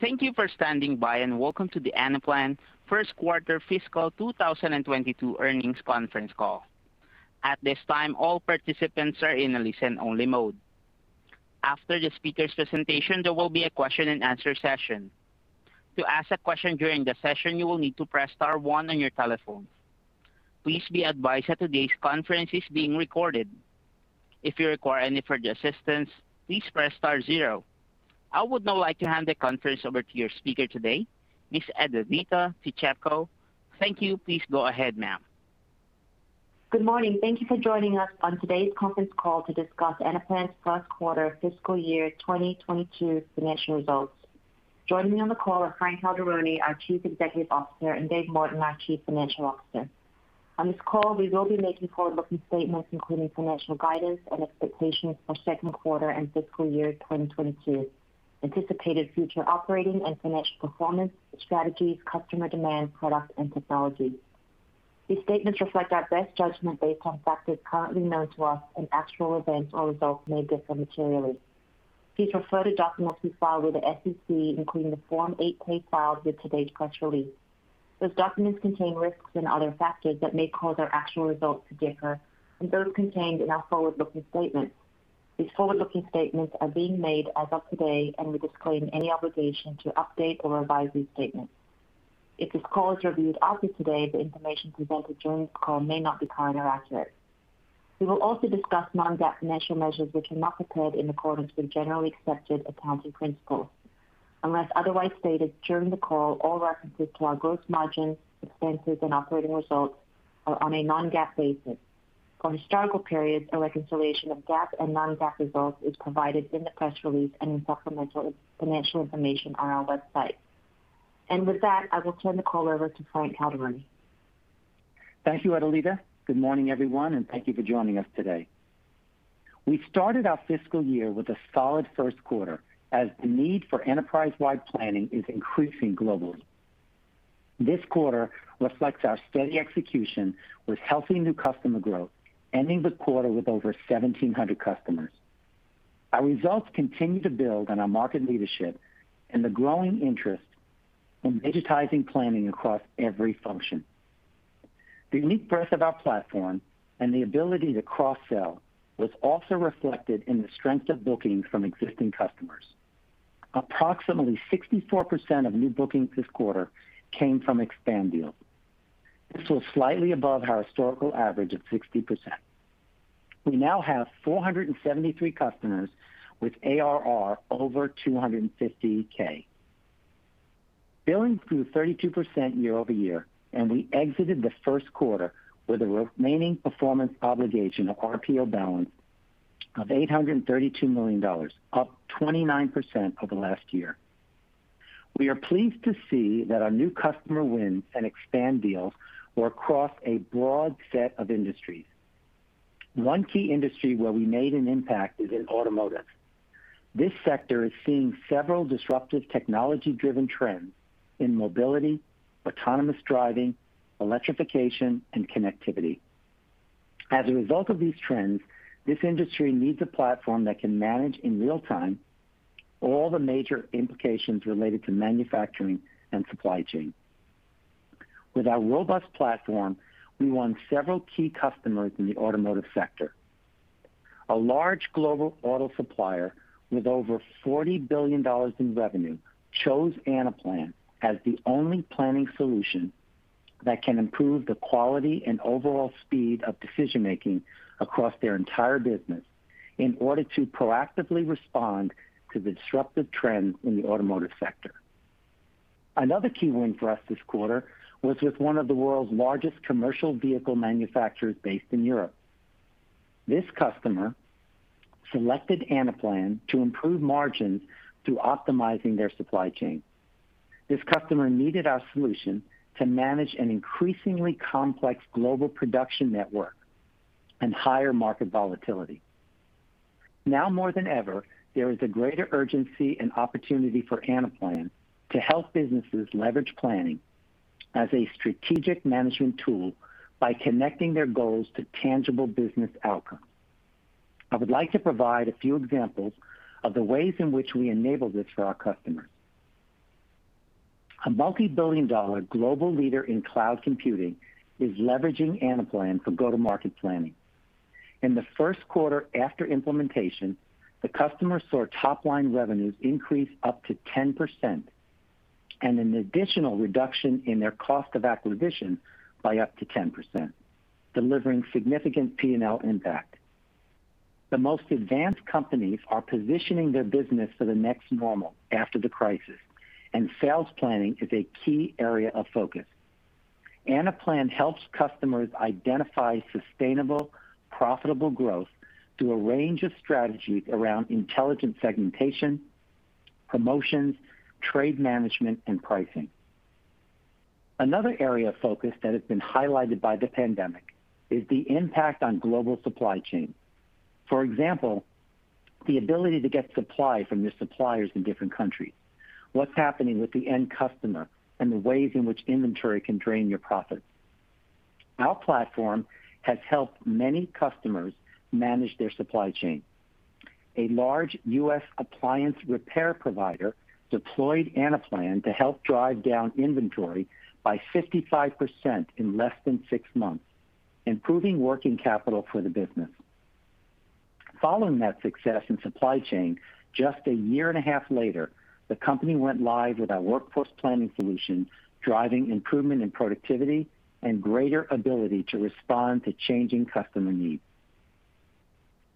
Thank you for standing by, and welcome to the Anaplan first quarter fiscal 2022 earnings conference call. At this time, all participants are in a listen-only mode. After the speaker's presentation, there will be a question-and-answer session. To ask a question during the session, you will need to press star one on your telephones. Please be advised that today's conference is being recorded. If you require any further assistance, please press star zero. I would now like to hand the conference over to your speaker today, Ms. Adelita Pichepko. Thank you. Please go ahead, ma'am. Good morning. Thank you for joining us on today's conference call to discuss Anaplan's first quarter fiscal year 2022 financial results. Joining me on the call are Frank Calderoni, our Chief Executive Officer, and Dave Morton, our Chief Financial Officer. On this call, we will be making forward-looking statements including financial guidance and expectations for second quarter and fiscal year 2022, anticipated future operating and financial performance, strategies, customer demand, products, and technology. These statements reflect our best judgment based on factors currently known to us, and actual events or results may differ materially. See referred documents we filed with the SEC, including the Form 8-K filed with today's press release. Those documents contain risks and other factors that may cause our actual results to differ from those contained in our forward-looking statements. These forward-looking statements are being made as of today, and we disclaim any obligation to update or revise these statements. If this call is reviewed after today, the information presented during the call may not be current or accurate. We will also discuss non-GAAP financial measures, which are not prepared in accordance with generally accepted accounting principles. Unless otherwise stated during the call, all references to our gross margins, expenses, and operating results are on a non-GAAP basis. For historical periods, a reconciliation of GAAP and non-GAAP results is provided in the press release and in supplemental financial information on our website. With that, I will turn the call over to Frank Calderoni. Thank you, Adelita. Good morning, everyone, thank you for joining us today. We started our fiscal year with a solid first quarter as the need for enterprise-wide planning is increasing globally. This quarter reflects our steady execution with healthy new customer growth, ending the quarter with over 1,700 customers. Our results continue to build on our market leadership and the growing interest in digitizing planning across every function. The unique breadth of our platform and the ability to cross-sell was also reflected in the strength of bookings from existing customers. Approximately 64% of new bookings this quarter came from expand deals. This was slightly above our historical average of 60%. We now have 473 customers with ARR over 250,000. Billings grew 32% year-over-year, we exited the first quarter with a remaining performance obligation RPO balance of $832 million, up 29% over last year. We are pleased to see that our new customer wins and expand deals were across a broad set of industries. One key industry where we made an impact is in automotive. This sector is seeing several disruptive technology-driven trends in mobility, autonomous driving, electrification, and connectivity. As a result of these trends, this industry needs a platform that can manage in real-time all the major implications related to manufacturing and supply chain. With our robust platform, we won several key customers in the automotive sector. A large global auto supplier with over $40 billion in revenue chose Anaplan as the only planning solution that can improve the quality and overall speed of decision-making across their entire business in order to proactively respond to the disruptive trends in the automotive sector. Another key win for us this quarter was with one of the world's largest commercial vehicle manufacturers based in Europe. This customer selected Anaplan to improve margins through optimizing their supply chain. This customer needed our solution to manage an increasingly complex global production network and higher market volatility. Now more than ever, there is a greater urgency and opportunity for Anaplan to help businesses leverage planning as a strategic management tool by connecting their goals to tangible business outcomes. I would like to provide a few examples of the ways in which we enable this for our customers. A multi-billion dollar global leader in cloud computing is leveraging Anaplan for go-to-market planning. In the first quarter after implementation, the customer saw top-line revenues increase up to 10% and an additional reduction in their cost of acquisition by up to 10%, delivering significant P&L impact. The most advanced companies are positioning their business for the next normal after the crisis, and sales planning is a key area of focus. Anaplan helps customers identify sustainable, profitable growth through a range of strategies around intelligent segmentation, promotions, trade management, and pricing. Another area of focus that has been highlighted by the pandemic is the impact on global supply chain. For example, the ability to get supply from your suppliers in different countries, what's happening with the end customer, and the ways in which inventory can drain your profits. Our platform has helped many customers manage their supply chain. A large U.S. appliance repair provider deployed Anaplan to help drive down inventory by 55% in less than six months, improving working capital for the business. Following that success in supply chain, just a year and a half later, the company went live with our workforce planning solution, driving improvement in productivity and greater ability to respond to changing customer needs.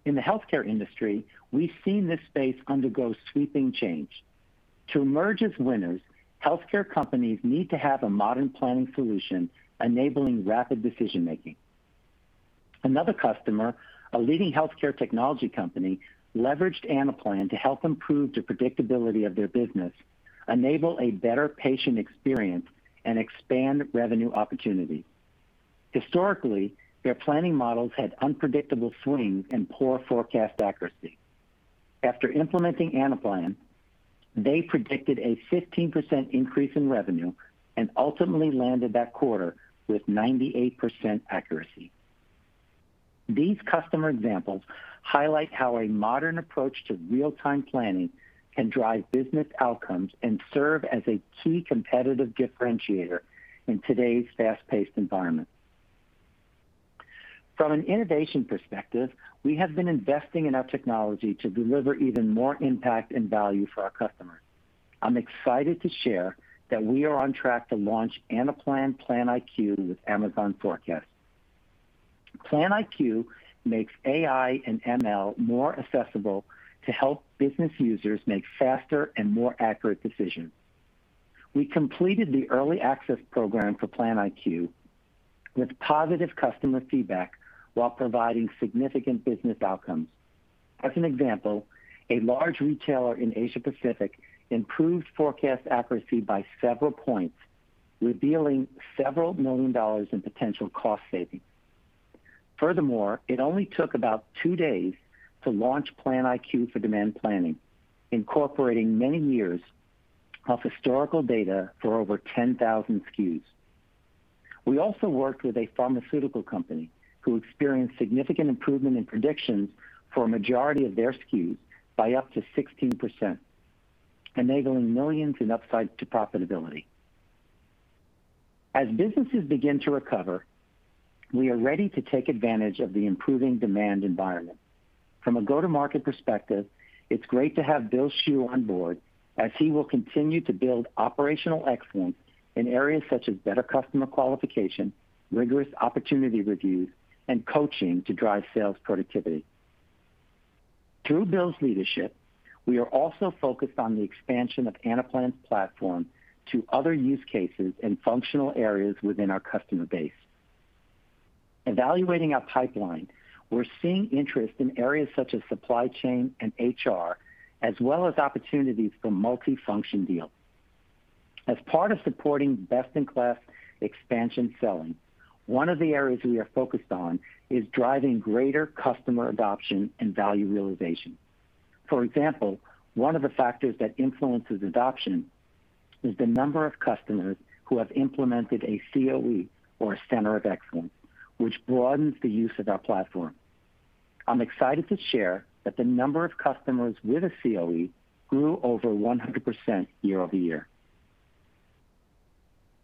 In the healthcare industry, we've seen this space undergo sweeping change. To emerge as winners, healthcare companies need to have a modern planning solution enabling rapid decision-making. Another customer, a leading healthcare technology company, leveraged Anaplan to help improve the predictability of their business, enable a better patient experience, and expand revenue opportunities. Historically, their planning models had unpredictable swings and poor forecast accuracy. After implementing Anaplan, they predicted a 15% increase in revenue and ultimately landed that quarter with 98% accuracy. These customer examples highlight how a modern approach to real-time planning can drive business outcomes and serve as a key competitive differentiator in today's fast-paced environment. From an innovation perspective, we have been investing in our technology to deliver even more impact and value for our customers. I'm excited to share that we are on track to launch Anaplan PlanIQ with Amazon Forecast. PlanIQ makes AI and ML more accessible to help business users make faster and more accurate decisions. We completed the early access program for PlanIQ with positive customer feedback while providing significant business outcomes. As an example, a large retailer in Asia Pacific improved forecast accuracy by several points, revealing several million dollars in potential cost savings. Furthermore, it only took about two days to launch PlanIQ for demand planning, incorporating many years of historical data for over 10,000 SKUs. We also worked with a pharmaceutical company who experienced significant improvement in predictions for a majority of their SKUs by up to 16%, enabling millions in upside to profitability. As businesses begin to recover, we are ready to take advantage of the improving demand environment. From a go-to-market perspective, it's great to have Bill Schuh on board, as he will continue to build operational excellence in areas such as better customer qualification, rigorous opportunity reviews, and coaching to drive sales productivity. Through Bill's leadership, we are also focused on the expansion of Anaplan's platform to other use cases and functional areas within our customer base. Evaluating our pipeline, we're seeing interest in areas such as supply chain and HR, as well as opportunities for multi-function deals. As part of supporting best-in-class expansion selling, one of the areas we are focused on is driving greater customer adoption and value realization. For example, one of the factors that influences adoption is the number of customers who have implemented a COE, or a center of excellence, which broadens the use of our platform. I'm excited to share that the number of customers with a COE grew over 100% year-over-year.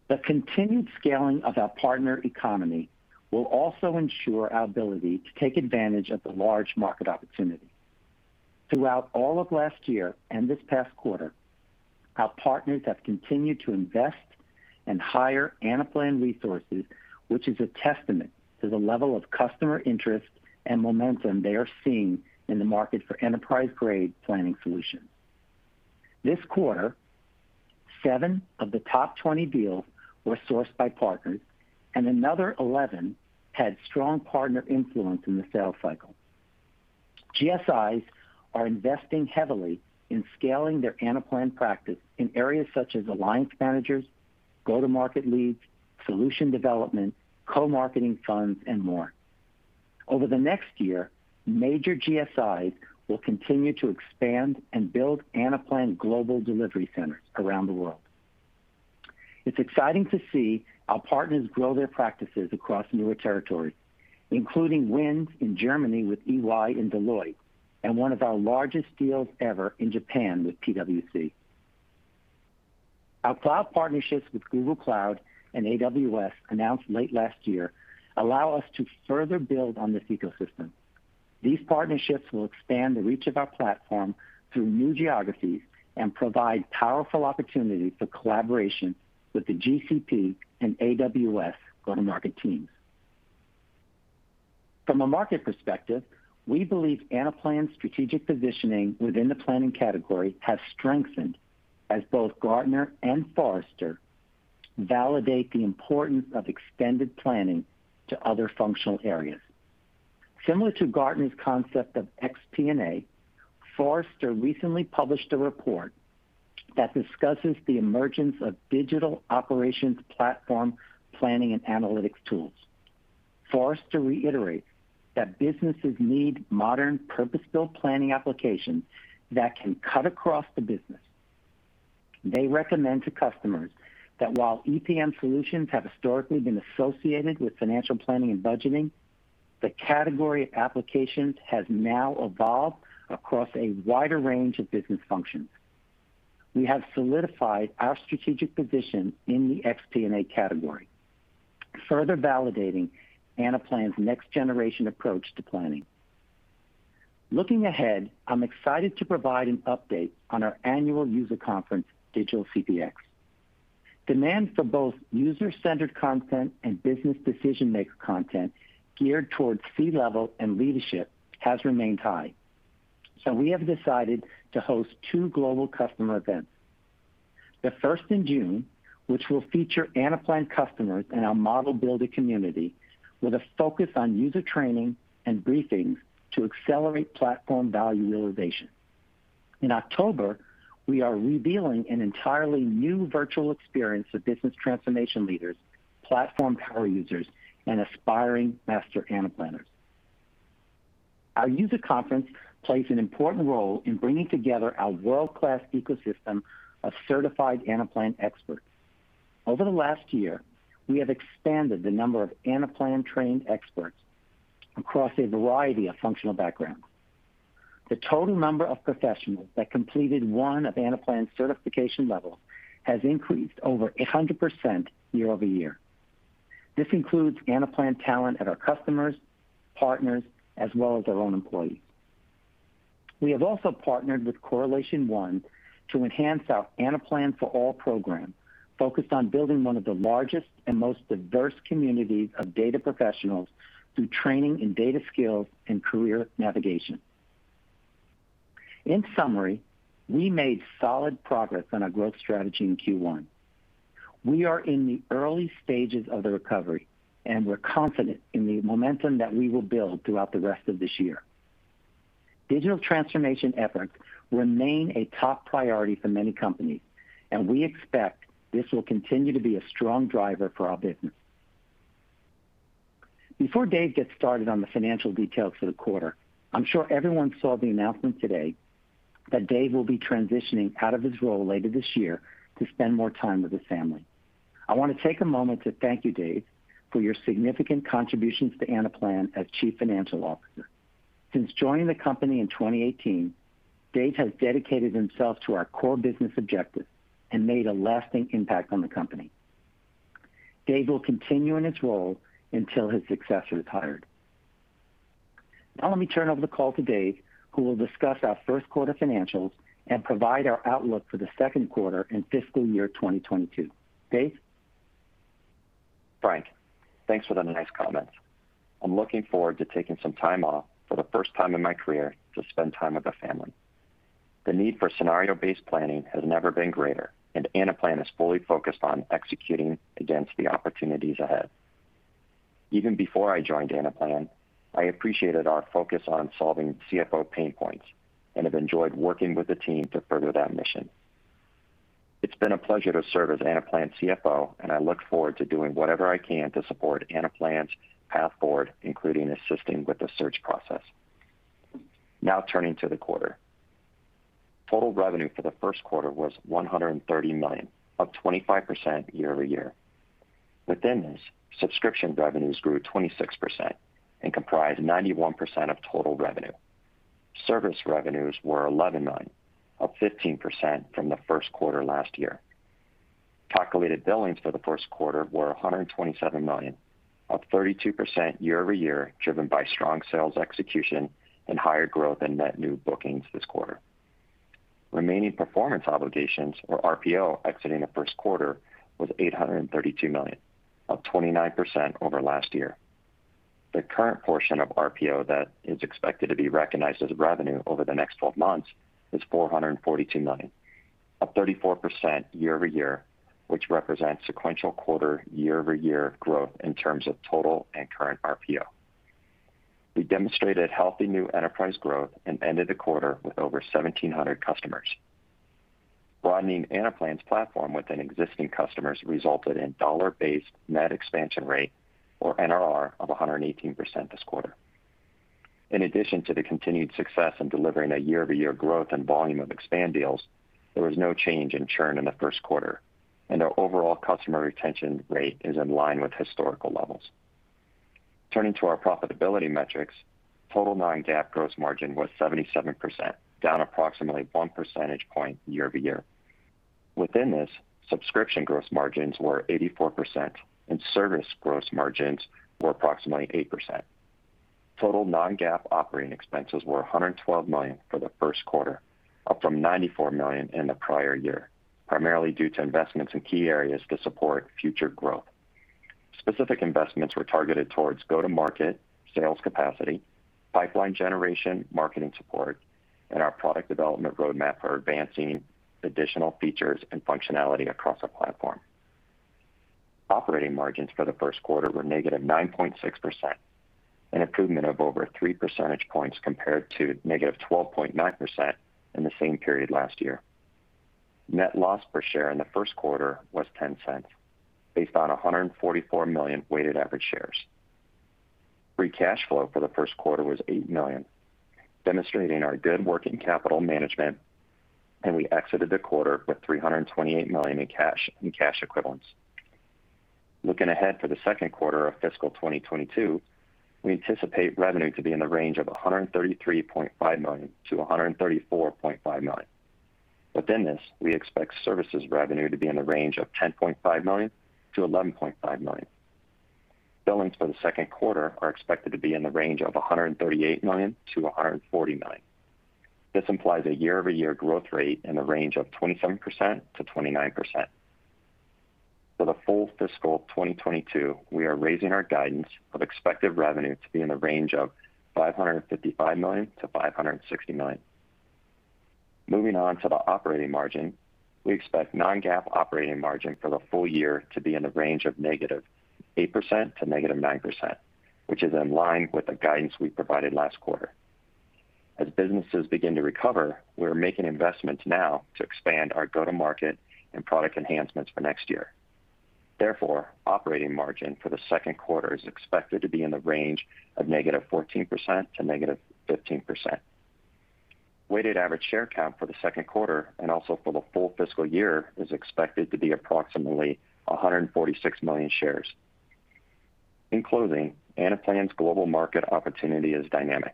The continued scaling of our partner economy will also ensure our ability to take advantage of the large market opportunity. Throughout all of last year and this past quarter, our partners have continued to invest and hire Anaplan resources, which is a testament to the level of customer interest and momentum they are seeing in the market for enterprise-grade planning solutions. This quarter, seven of the top 20 deals were sourced by partners, and another 11 had strong partner influence in the sales cycle. GSIs are investing heavily in scaling their Anaplan practice in areas such as alliance managers, go-to-market leads, solution development, co-marketing funds, and more. Over the next year, major GSIs will continue to expand and build Anaplan global delivery centers around the world. It's exciting to see our partners grow their practices across newer territories, including wins in Germany with EY and Deloitte, and one of our largest deals ever in Japan with PwC. Our cloud partnerships with Google Cloud and AWS, announced late last year, allow us to further build on this ecosystem. These partnerships will expand the reach of our platform through new geographies and provide powerful opportunities for collaboration with the GCP and AWS go-to-market teams. From a market perspective, we believe Anaplan's strategic positioning within the planning category has strengthened as both Gartner and Forrester validate the importance of extended planning to other functional areas. Similar to Gartner's concept of xP&A, Forrester recently published a report that discusses the emergence of digital operations platform planning and analytics tools. Forrester reiterates that businesses need modern, purpose-built planning applications that can cut across the business. They recommend to customers that while EPM solutions have historically been associated with financial planning and budgeting, the category of applications has now evolved across a wider range of business functions. We have solidified our strategic position in the xP&A category, further validating Anaplan's next generation approach to planning. Looking ahead, I'm excited to provide an update on our annual user conference, Digital CPX. Demand for both user-centered content and business decision-maker content geared towards C-level and leadership has remained high, so we have decided to host two global customer events. The first in June, which will feature Anaplan customers and our model building community with a focus on user training and briefings to accelerate platform value realization. In October, we are revealing an entirely new virtual experience for business transformation leaders, platform power users, and aspiring Master Anaplanners. Our user conference plays an important role in bringing together our world-class ecosystem of certified Anaplan experts. Over the last year, we have expanded the number of Anaplan trained experts across a variety of functional backgrounds. The total number of professionals that completed one Anaplan certification level has increased over 100% year-over-year. This includes Anaplan talent at our customers, partners, as well as our own employees. We have also partnered with Correlation One to enhance our Anaplan For All program, focused on building one of the largest and most diverse communities of data professionals through training in data skills and career navigation. In summary, we made solid progress on our growth strategy in Q1. We are in the early stages of the recovery, and we're confident in the momentum that we will build throughout the rest of this year. Digital transformation efforts remain a top priority for many companies, and we expect this will continue to be a strong driver for our business. Before Dave gets started on the financial details for the quarter, I'm sure everyone saw the announcement today that Dave will be transitioning out of his role later this year to spend more time with his family. I want to take a moment to thank you, Dave, for your significant contributions to Anaplan as Chief Financial Officer. Since joining the company in 2018, Dave has dedicated himself to our core business objectives and made a lasting impact on the company. Dave will continue in his role until his successor is hired. Now let me turn over the call to Dave, who will discuss our first quarter financials and provide our outlook for the second quarter in fiscal year 2022. Dave? Frank, thanks for the nice comments. I'm looking forward to taking some time off for the first time in my career to spend time with the family. The need for scenario-based planning has never been greater, and Anaplan is fully focused on executing against the opportunities ahead. Even before I joined Anaplan, I appreciated our focus on solving CFO pain points and have enjoyed working with the team to further that mission. It's been a pleasure to serve as Anaplan CFO, and I look forward to doing whatever I can to support Anaplan's path forward, including assisting with the search process. Now turning to the quarter. Total revenue for the first quarter was $130 million, up 25% year-over-year. Within this, subscription revenues grew 26% and comprised 91% of total revenue. Service revenues were $11 million, up 15% from the first quarter last year. Calculated billings for the first quarter were $127 million, up 32% year-over-year, driven by strong sales execution and higher growth in net new bookings this quarter. Remaining performance obligations, or RPO, exiting the first quarter was $832 million, up 29% over last year. The current portion of RPO that is expected to be recognized as revenue over the next 12 months is $442 million, up 34% year-over-year, which represents sequential quarter year-over-year growth in terms of total and current RPO. We demonstrated healthy new enterprise growth and ended the quarter with over 1,700 customers. Broadening Anaplan's platform within existing customers resulted in dollar-based net expansion rate, or NRR, of 118% this quarter. In addition to the continued success in delivering a year-to-year growth in volume of expand deals, there was no change in churn in the first quarter and our overall customer retention rate is in line with historical levels. Turning to our profitability metrics, total non-GAAP gross margin was 77%, down approximately 1 percentage point year-over-year. Within this, subscription gross margins were 84%, and service gross margins were approximately 8%. Total non-GAAP operating expenses were $112 million for the first quarter, up from $94 million in the prior year, primarily due to investments in key areas to support future growth. Specific investments were targeted towards go-to-market sales capacity, pipeline generation marketing support, and our product development roadmap for advancing additional features and functionality across the platform. Operating margins for the first quarter were -9.6%, an improvement of over 3 percentage points compared to -12.9% in the same period last year. Net loss per share in the first quarter was $0.10, based on 144 million weighted average shares. Free cash flow for the first quarter was $8 million, demonstrating our good working capital management and we exited the quarter with $328 million in cash and cash equivalents. Looking ahead for the second quarter of fiscal 2022, we anticipate revenue to be in the range of $133.5 million-$134.5 million. Within this, we expect services revenue to be in the range of $10.5 million-$11.5 million. Billings for the second quarter are expected to be in the range of $138 million-$140 million. This implies a year-over-year growth rate in the range of 27%-29%. For the full fiscal of 2022, we are raising our guidance of expected revenue to be in the range of $555 million-$560 million. Moving on to the operating margin, we expect non-GAAP operating margin for the full year to be in the range of -8% to -9%, which is in line with the guidance we provided last quarter. As businesses begin to recover, we're making investments now to expand our go-to-market and product enhancements for next year. Therefore, operating margin for the second quarter is expected to be in the range of -14% to -15%. Weighted average share count for the second quarter and also for the full fiscal year is expected to be approximately 146 million shares. In closing, Anaplan's global market opportunity is dynamic,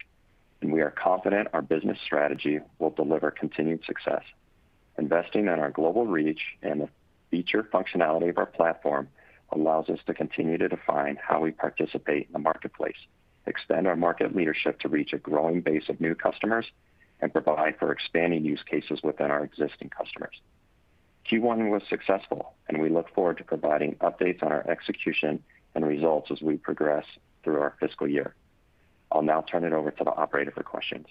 and we are confident our business strategy will deliver continued success. Investing in our global reach and the feature functionality of our platform allows us to continue to define how we participate in the marketplace, extend our market leadership to reach a growing base of new customers, and provide for expanding use cases within our existing customers. Q1 was successful, and we look forward to providing updates on our execution and results as we progress through our fiscal year. I'll now turn it over to the operator for questions.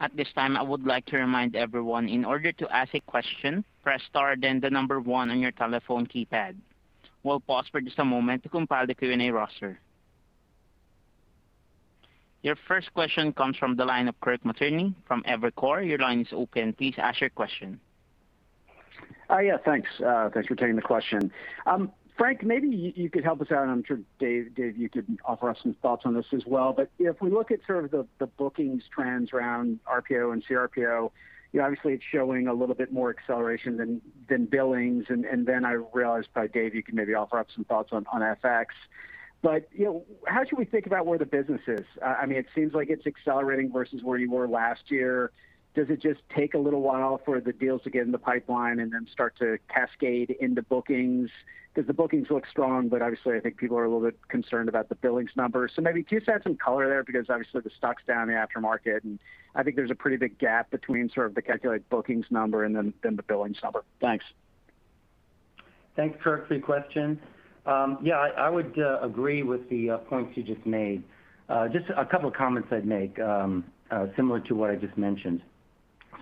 At this time I would like to remind everyone. In order to ask a question, press star and then number one on your telephone keypad. We'll pause for just a moment to compile for the Q&A roster. Your first question comes from the line of Kirk Materne from Evercore. Your line is open. Please ask a question. Thanks. Thanks for taking the question. Frank, maybe you could help us out, and I'm sure Dave, you can offer us some thoughts on this as well. If we look at the bookings trends around RPO and CRPO, obviously it's showing a little bit more acceleration than billings, and then I realize by Dave, you can maybe offer up some thoughts on FX. How should we think about where the business is? It seems like it's accelerating versus where you were last year. Does it just take a little while for the deals to get in the pipeline and then start to cascade into bookings? The bookings look strong, but obviously I think people are a little bit concerned about the billings numbers. Maybe do you have some color there because obviously the stock's down in aftermarket, and I think there's a pretty big gap between the calculated bookings number and then the billings number. Thanks. Thanks, Kirk, for your question. Yeah, I would agree with the points you just made. Just a couple of comments I'd make, similar to what I just mentioned.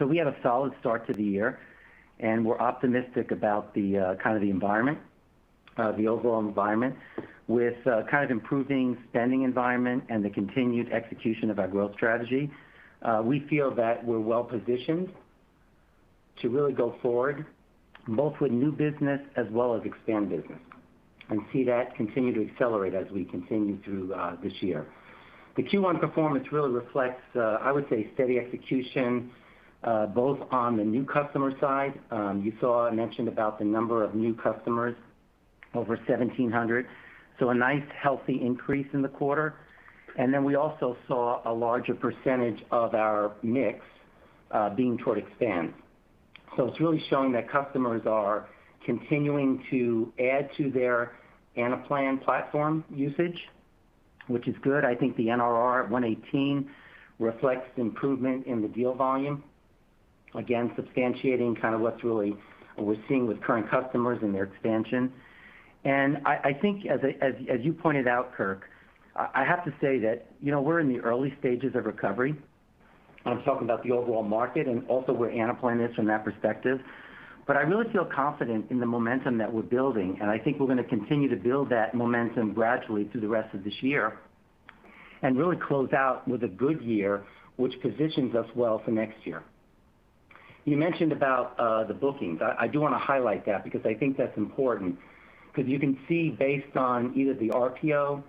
We had a solid start to the year, and we're optimistic about the overall environment. With improving spending environment and the continued execution of our growth strategy, we feel that we're well-positioned to really go forward, both with new business as well as expand business, and see that continue to accelerate as we continue through this year. The Q1 performance really reflects, I would say, steady execution, both on the new customer side. You saw I mentioned about the number of new customers, over 1,700, a nice healthy increase in the quarter and then we also saw a larger percentage of our mix being toward expand. It's really showing that customers are continuing to add to their Anaplan platform usage, which is good. I think the NRR at 118 reflects improvement in the deal volume, again, substantiating what's really what we're seeing with current customers and their expansion. I think as you pointed out, Kirk, I have to say that we're in the early stages of recovery. I'm talking about the overall market, and also we're Anaplan-ish from that perspective. I really feel confident in the momentum that we're building, and I think we're going to continue to build that momentum gradually through the rest of this year and really close out with a good year, which positions us well for next year. You mentioned about the bookings. I do want to highlight that because I think that's important, because you can see based on either the RPO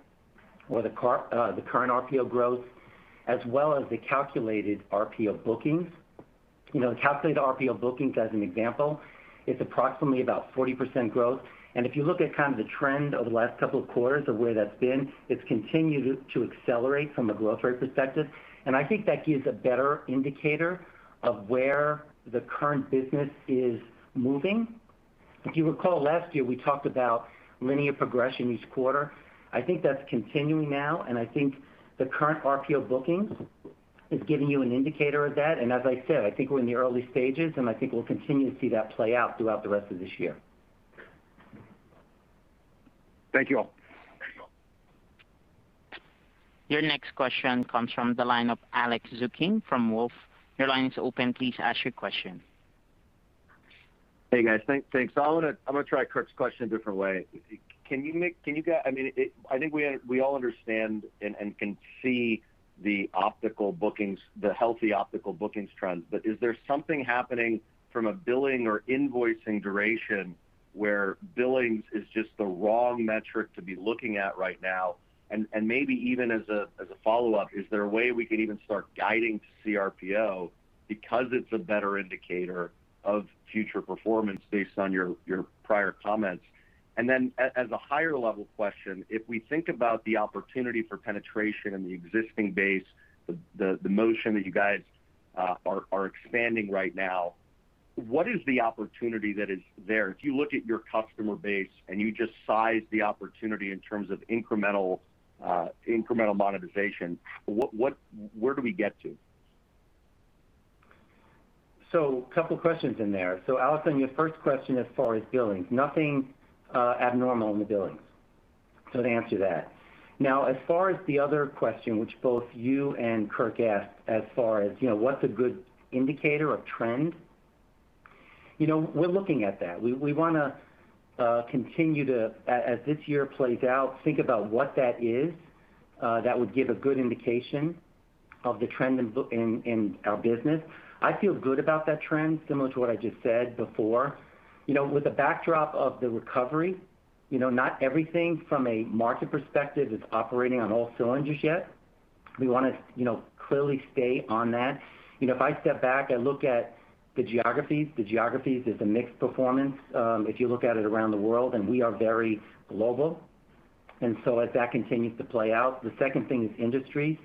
or the current RPO growth, as well as the calculated RPO bookings. Calculated RPO bookings, as an example, is approximately about 40% growth. If you look at the trend of the last couple of quarters of where that's been, it's continued to accelerate from a growth rate perspective. I think that gives a better indicator of where the current business is moving. If you recall last year, we talked about linear progression each quarter. I think that's continuing now. I think the current RPO bookings is giving you an indicator of that. As I said, I think we're in the early stages. I think we'll continue to see that play out throughout the rest of this year. Thank you all. Your next question comes from the line of Alex Zukin from Wolfe. Your line is open. Please ask your question. Hey, guys. Thanks. I'm going to try Kirk's question a different way. I think we all understand and can see the healthy optical bookings trends, but is there something happening from a billing or invoicing duration where billings is just the wrong metric to be looking at right now? Maybe even as a follow-up, is there a way we can even start guiding to CRPO because it's a better indicator of future performance based on your prior comments? Then, as a higher level question, if we think about the opportunity for penetration in the existing base, the motion that you guys are expanding right now, what is the opportunity that is there? If you look at your customer base and you just size the opportunity in terms of incremental monetization, where do we get to? A couple questions in there. Alex, your first question as far as billings, nothing abnormal in the billings. I can answer that. Now as far as the other question, which both you and Kirk asked, as far as what's a good indicator of trend? We're looking at that. We want to continue to, as this year plays out, think about what that is that would give a good indication of the trend in our business. I feel good about that trend, similar to what I just said before. With the backdrop of the recovery, not everything from a market perspective is operating on all cylinders yet. We want to clearly stay on that. If I step back, I look at the geographies, the geographies is a mixed performance, if you look at it around the world, and we are very global and so that continues to play out. The second thing is industry.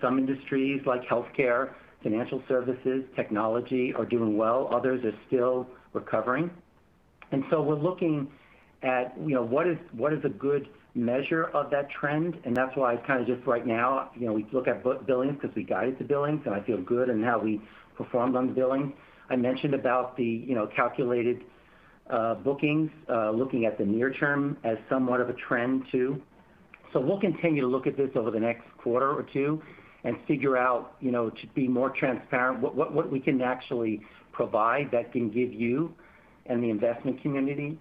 Some industries like healthcare, financial services, technology, are doing well. Others are still recovering. We're looking at what is a good measure of that trend, and that's why kind of just right now, we look at billings because we guide to billings, and I feel good in how we performed on billings. I mentioned about the calculated bookings, looking at the near term as somewhat of a trend, too. We'll continue to look at this over the next quarter or two and figure out, to be more transparent, what we can actually provide that can give you and the investment community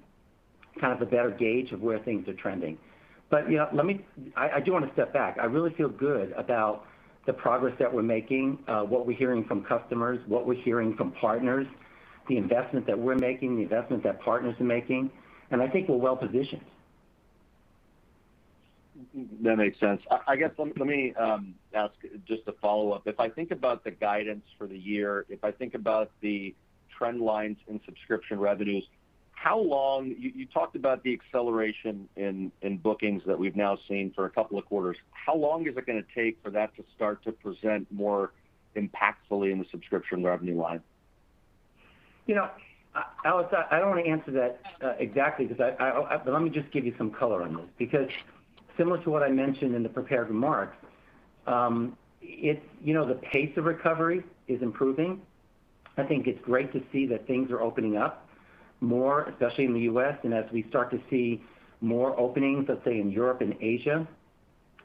kind of a better gauge of where things are trending. I do want to step back. I really feel good about the progress that we're making, what we're hearing from customers, what we're hearing from partners, the investments that we're making, the investments that partners are making, and I think we're well-positioned. That makes sense. I guess let me ask just a follow-up. If I think about the guidance for the year, if I think about the trend lines in subscription revenues, you talked about the acceleration in bookings that we've now seen for a couple of quarters. How long is it going to take for that to start to present more impactfully in the subscription revenue line? Alex, I don't want to answer that exactly, let me just give you some color on this, similar to what I mentioned in the prepared remarks, the pace of recovery is improving. I think it's great to see that things are opening up more, especially in the U.S., as we start to see more openings, let's say, in Europe and Asia,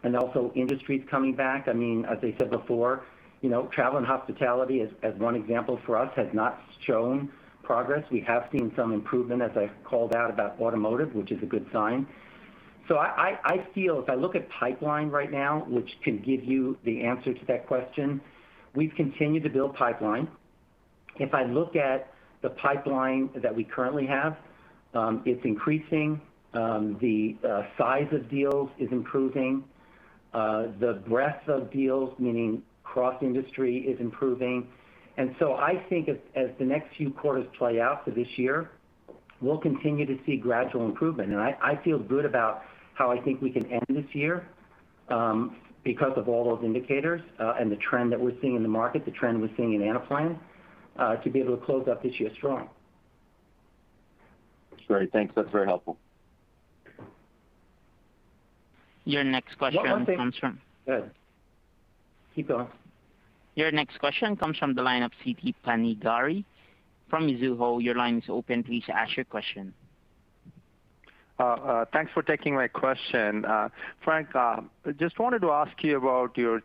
and also industries coming back. I said before, travel and hospitality, as one example for us, has not shown progress. We have seen some improvement, as I called out, about automotive, which is a good sign. I feel if I look at pipeline right now, which can give you the answer to that question, we've continued to build pipeline. If I look at the pipeline that we currently have, it's increasing. The size of deals is improving. The breadth of deals, meaning cross-industry, is improving. I think as the next few quarters play out for this year, we'll continue to see gradual improvement, and I feel good about how I think we can end this year because of all those indicators, and the trend that we're seeing in the market, the trend we're seeing in Anaplan, to be able to close out this year strong. Great. Thanks. That's very helpful. Your next question comes from- Go ahead. Keep going. Your next question comes from the line of Siti Panigrahi from Mizuho. Your line is open. Please ask your question. Thanks for taking my question. Frank, I just wanted to ask you about your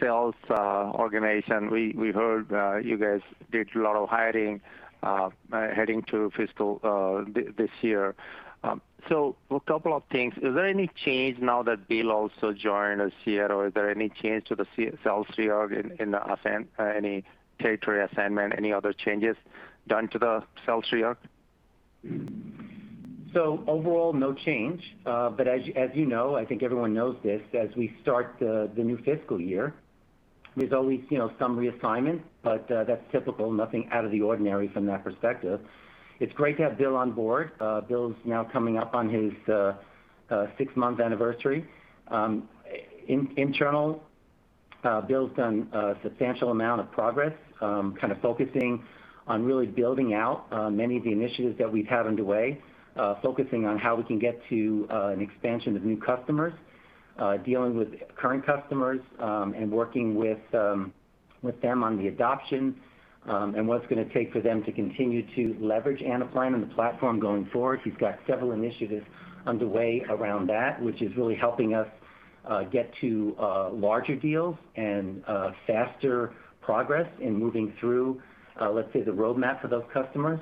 sales organization. We heard you guys did a lot of hiring heading to fiscal this year. A couple of things. Is there any change now that Bill also joined us here, or is there any change to the sales org in any territory assignment, any other changes done to the sales org? Overall, no change. As you know, I think everyone knows this, as we start the new fiscal year, there's always some reassignments, but that's typical, nothing out of the ordinary from that perspective. It's great to have Bill on board. Bill's now coming up on his six-month anniversary. Internal, Bill's done a substantial amount of progress, kind of focusing on really building out many of the initiatives that we have underway, focusing on how we can get to an expansion of new customers, dealing with current customers, and working with them on the adoption, and what it's going to take for them to continue to leverage Anaplan and the platform going forward. We've got several initiatives underway around that, which is really helping us get to larger deals and faster progress in moving through, let's say, the roadmap for those customers.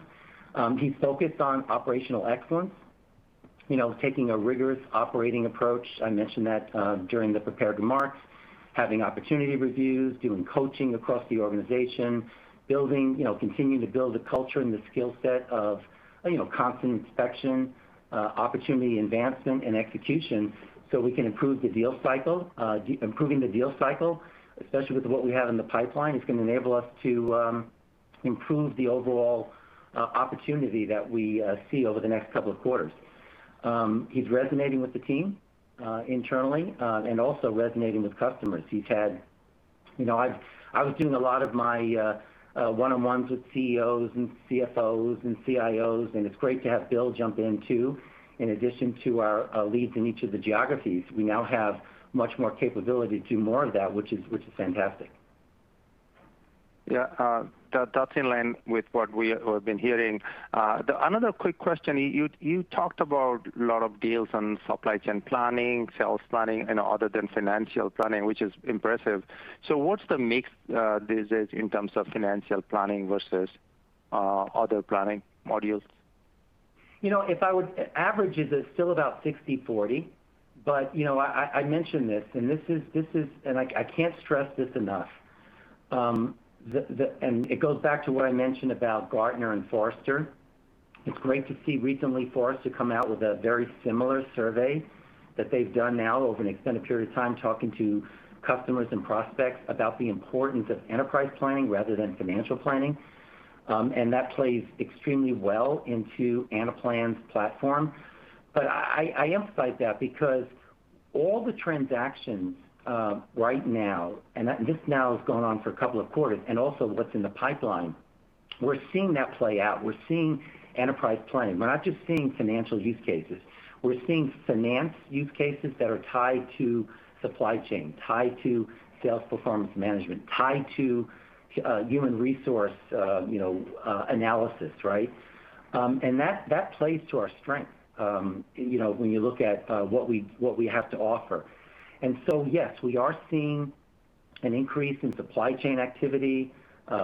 He's focused on operational excellence, taking a rigorous operating approach. I mentioned that during the prepared remarks. Having opportunity reviews, doing coaching across the organization, continuing to build a culture and the skill set of constant inspection, opportunity advancement, and execution so we can improve the deal cycle. Improving the deal cycle, especially with what we have in the pipeline, is going to enable us to improve the overall opportunity that we see over the next couple of quarters. He's resonating with the team internally and also resonating with customers. I was doing a lot of my one-on-ones with CEOs and CFOs and CIOs, and it's great to have Bill jump in, too. In addition to our leads in each of the geographies, we now have much more capability to do more of that, which is fantastic. Yeah. That's in line with what we have been hearing. Another quick question, you talked about a lot of deals on supply chain planning, sales planning, and other than financial planning, which is impressive. What's the mix these days in terms of financial planning versus other planning modules? If I would average it's still about 60-40. I mentioned this, and I can't stress this enough. It goes back to what I mentioned about Gartner and Forrester. It's great to see recently Forrester come out with a very similar survey that they've done now over an extended period of time, talking to customers and prospects about the importance of enterprise planning rather than financial planning and that plays extremely well into Anaplan's platform. I emphasize that because all the transactions right now, and this now has gone on for a couple of quarters, and also what's in the pipeline, we're seeing that play out. We're seeing enterprise planning. We're not just seeing financial use cases. We're seeing finance use cases that are tied to supply chain, tied to sales performance management, tied to human resource analysis, right? That plays to our strength when you look at what we have to offer. Yes, we are seeing an increase in supply chain activity,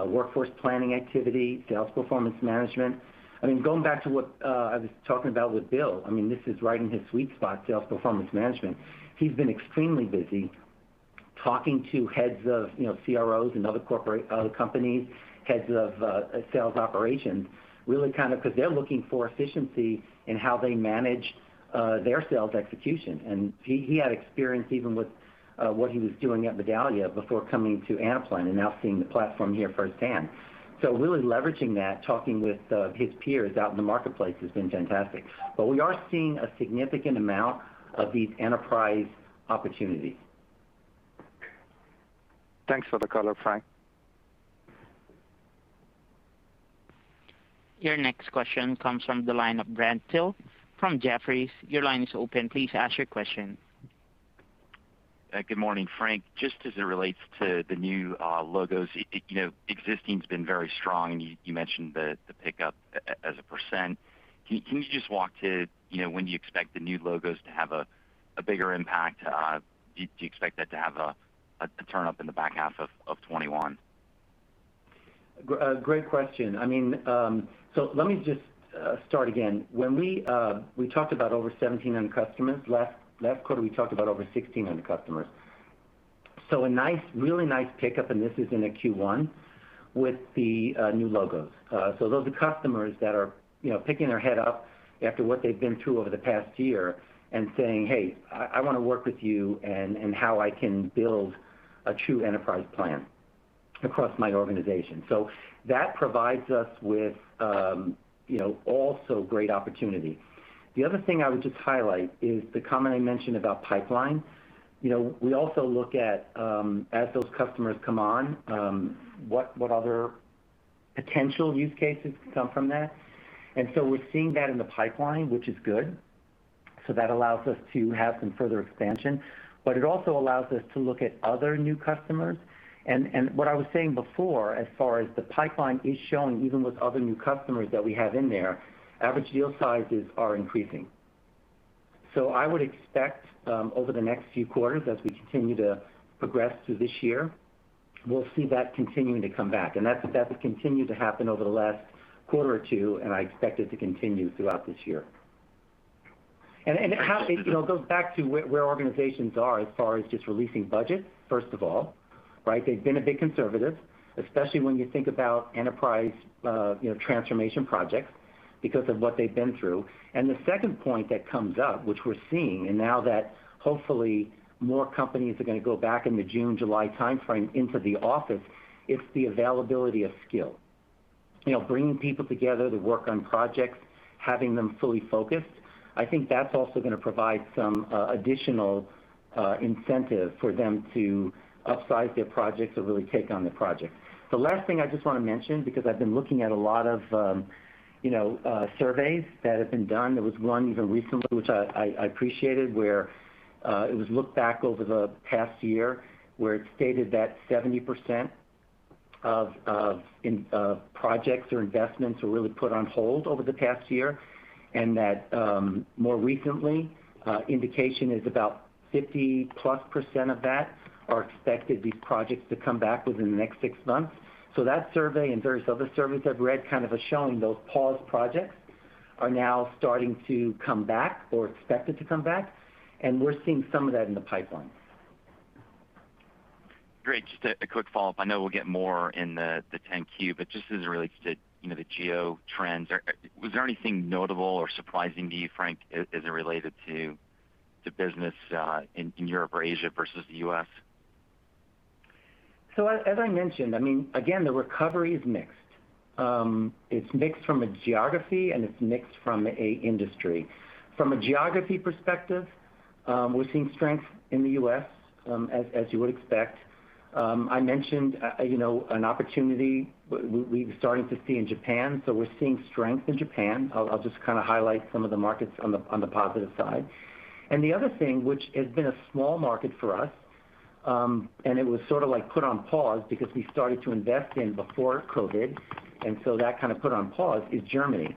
workforce planning activity, sales performance management. Going back to what I was talking about with Bill, this is right in his sweet spot, sales performance management. He's been extremely busy talking to heads of CROs and other companies, heads of sales operations really because they're looking for efficiency in how they manage their sales execution. He had experience even with what he was doing at Medallia before coming to Anaplan, and now seeing the platform here firsthand. Really leveraging that, talking with his peers out in the marketplace has been fantastic. We are seeing a significant amount of these enterprise opportunities. Thanks for the color, Frank. Your next question comes from the line of Brent Thill from Jefferies. Your line is open. Please ask your question. Hey, good morning, Frank. As it relates to the new logos, existing's been very strong. You mentioned the pickup as a percent. Can you just walk through when you expect the new logos to have a bigger impact? Do you expect that to have a turn up in the back half of 2021? Great question. Let me just start again. We talked about over 1,700 customers. Last quarter, we talked about over 1,600 customers. A really nice pickup, and this is in the Q1, with the new logos. Those are customers that are picking their head up after what they've been through over the past year and saying, "Hey, I want to work with you and how I can build a true enterprise plan across my organization." That provides us with also great opportunities. The other thing I would just highlight is the comment I mentioned about pipeline. We also look at, as those customers come on, what other potential use cases come from that and so we're seeing that in the pipeline, which is good. That allows us to have some further expansion but it also allows us to look at other new customers. What I was saying before, as far as the pipeline is showing, even with other new customers that we have in there, average deal sizes are increasing. I would expect over the next few quarters, as we continue to progress through this year, we'll see that continuing to come back. That's continued to happen over the last quarter or two, and I expect it to continue throughout this year. It goes back to where organizations are as far as just releasing budgets, first of all, right? They've been a bit conservative, especially when you think about enterprise transformation projects because of what they've been through. The second point that comes up, which we're seeing, and now that hopefully more companies are going to go back in the June, July timeframe into the office, it's the availability of skill. Bringing people together to work on projects, having them fully focused. I think that's also going to provide some additional incentive for them to upsize their projects or really take on the projects. The last thing I just want to mention, because I've been looking at a lot of surveys that have been done. There was one even recently, which I appreciated, where it was looked back over the past year, where it stated that 70% of projects or investments were really put on hold over the past year, and that more recently, indication is about 50%+ of that are expected, these projects, to come back within the next six months. That survey, and there's other surveys I've read, kind of are showing those paused projects are now starting to come back or expected to come back, and we're seeing some of that in the pipeline. Great. Just a quick follow-up. I know we'll get more in the 10-Q, but just as it relates to the geo trends, was there anything notable or surprising to you, Frank, as it related to the business in Europe or Asia versus the U.S.? As I mentioned, again, the recovery is mixed. It's mixed from a geography, and it's mixed from a industry. From a geography perspective, we're seeing strength in the U.S., as you would expect. I mentioned an opportunity we've been starting to see in Japan, so we're seeing strength in Japan. I'll just highlight some of the markets on the positive side. The other thing, which had been a small market for us, and it was sort of put on pause because we started to invest in before COVID, and so that kind of put on pause, is Germany.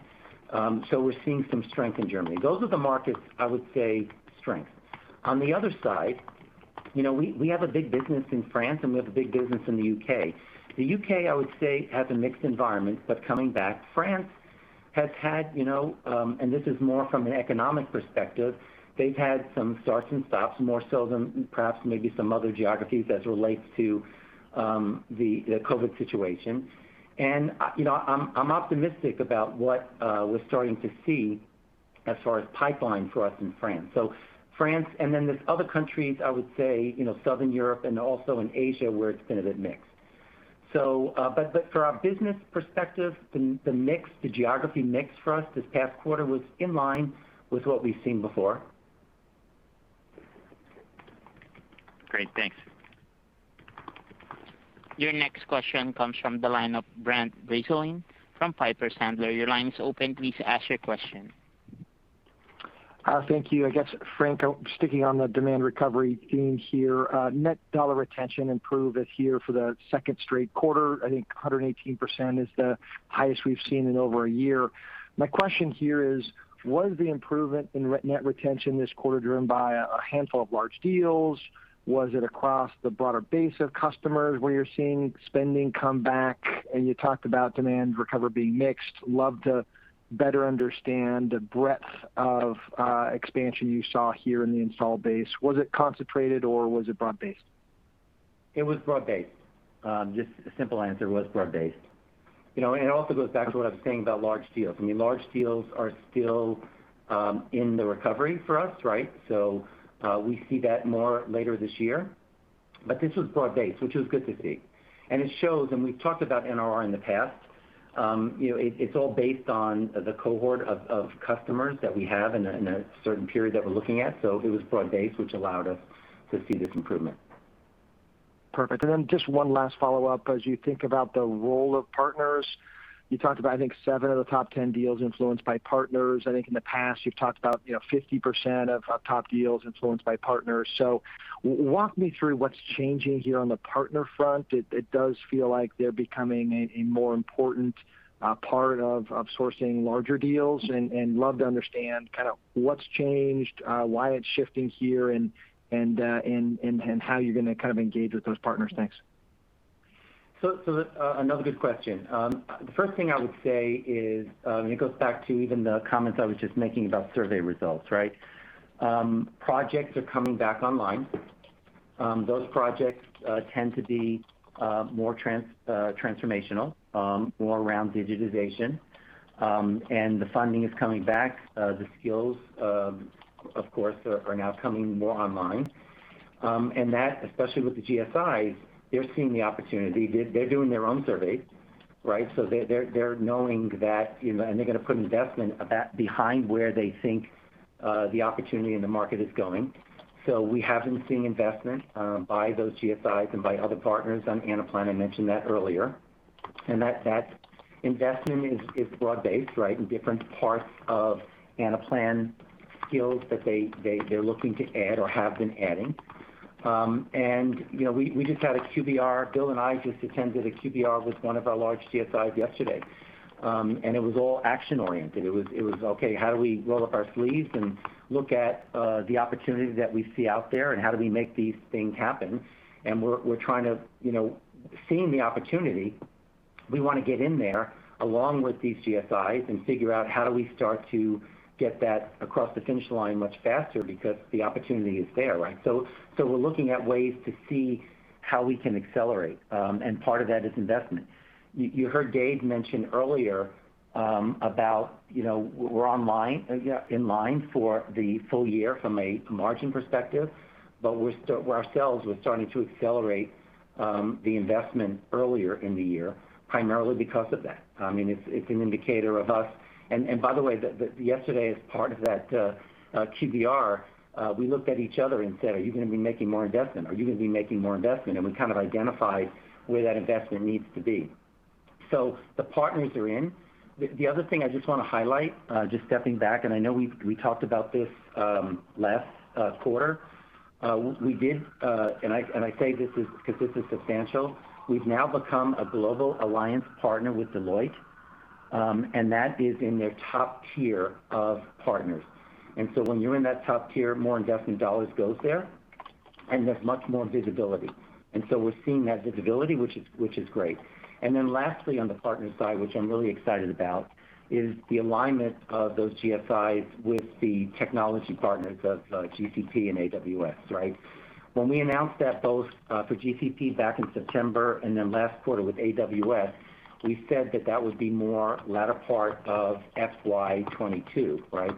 We're seeing some strength in Germany. Those are the markets, I would say, strength. On the other side, we have a big business in France, and we have a big business in the U.K. The U.K., I would say, has a mixed environment, but coming back France has had, this is more from an economic perspective, they've had some starts and stops more so than perhaps maybe some other geographies as it relates to the COVID situation. I'm optimistic about what we're starting to see as far as pipeline for us in France. France, then there's other countries, I would say, Southern Europe and also in Asia, where it's been a bit mixed. For our business perspective, the mix, the geography mix for us this past quarter was in line with what we've seen before. Great. Thanks. Your next question comes from the line of Brent Bracelin from Piper Sandler. Your line is open. Please ask your question. Thank you. I guess, Frank, sticking on the demand recovery theme here, net dollar retention improved here for the second straight quarter. I think 118% is the highest we've seen in over a year. My question here is, was the improvement in net retention this quarter driven by a handful of large deals? Was it across the broader base of customers where you're seeing spending come back? You talked about demand recovery being mixed. Love to better understand the breadth of expansion you saw here in the install base. Was it concentrated, or was it broad-based? It was broad-based. Just the simple answer, it was broad-based. It also goes back to what I was saying about large deals. Large deals are still in the recovery for us, so we see that more later this year. This was broad-based, which was good to see. It shows, and we've talked about NRR in the past, it's all based on the cohort of customers that we have in a certain period that we're looking at. It was broad-based, which allowed us to see this improvement. Perfect. Just one last follow-up. As you think about the role of partners, you talked about, I think, seven of the top 10 deals influenced by partners. I think in the past, you've talked about 50% of top deals influenced by partners. Walk me through what's changing here on the partner front. It does feel like they're becoming a more important part of sourcing larger deals, and love to understand what's changed, why it's shifting here, and how you're going to engage with those partners next. Another good question. The first thing I would say is, it goes back to even the comments I was just making about survey results. Projects are coming back online. Those projects tend to be more transformational, more around digitization, and the funding is coming back. The skills, of course, are now coming more online. That, especially with the GSIs, they're seeing the opportunity. They're doing their own survey, they're knowing that, they're going to put investment behind where they think the opportunity in the market is going. We have been seeing investment by those GSIs and by other partners on Anaplan, I mentioned that earlier. That investment is broad-based in different parts of Anaplan skills that they're looking to add or have been adding. We just had a QBR. Bill and I just attended a QBR with one of our large GSIs yesterday. It was all action-oriented. It was, "Okay, how do we roll up our sleeves and look at the opportunities that we see out there, and how do we make these things happen?" Seeing the opportunity, we want to get in there along with these GSIs and figure out how do we start to get that across the finish line much faster because the opportunity is there. We're looking at ways to see how we can accelerate, and part of that is investment. You heard Dave mention earlier about we're in line for the full year from a margin perspective. Ourselves, we're starting to accelerate the investment earlier in the year primarily because of that. It's an indicator of us. By the way, yesterday as part of that QBR, we looked at each other and said, "Are you going to be making more investment? Are you going to be making more investment?" We kind of identified where that investment needs to be. The partners are in. The other thing I just want to highlight, just stepping back, I know we talked about this last quarter. We did, I say this because it's substantial, we've now become a global alliance partner with Deloitte, that is in their top tier of partners. When you're in that top tier, more investment dollars goes there's much more visibility. We're seeing that visibility, which is great. Lastly, on the partner side, which I'm really excited about, is the alignment of those GSIs with the technology partners of GCP and AWS, right? We announced that both for GCP back in September and then last quarter with AWS, we said that that would be more latter part of FY 2022, right?